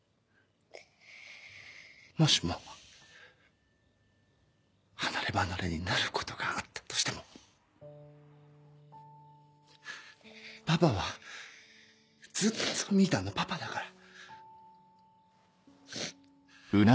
もしも離れ離れになることがあったとしてもパパはずっとみぃたんのパパだから。